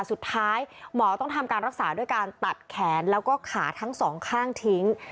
สุดท้ายหมอต้องทำการรักษาด้วยการตัดแขนแล้วก็ขาทั้งสองข้างทิ้ง